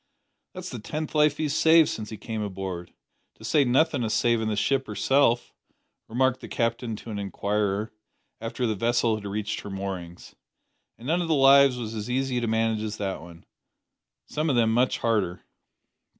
"That's the tenth life he's saved since he came aboard to say nothin' o' savin' the ship herself," remarked the Captain to an inquirer, after the vessel had reached her moorings. "An' none o' the lives was as easy to manage as that one. Some o' them much harder."